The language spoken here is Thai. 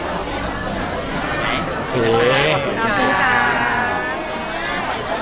ขอบคุณทุกคนค่ะ